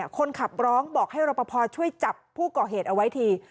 คนขับร้องบอกให้รอปภช่วยจับผู้ก่อเหตุเอาไว้ที